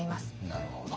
なるほど。